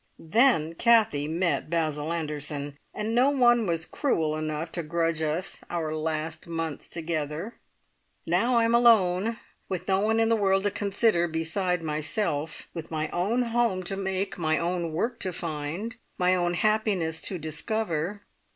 Then Kathie met Basil Anderson, and no one was cruel enough to grudge us our last months together. Now I am alone, with no one in the world to consider beside myself, with my own home to make, my own work to find, my own happiness to discover.